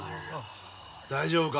大丈夫か？